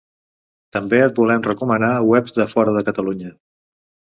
També et volem recomanar webs de fora de Catalunya.